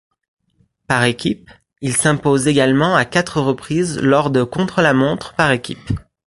Par équipes, il s'impose également à quatre reprises lors de contre-la-montre par équipes.